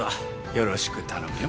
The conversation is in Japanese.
よろしく頼むよ。